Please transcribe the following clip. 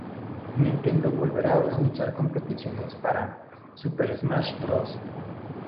Nintendo volverá a organizar competiciones para "Super Smash Bros.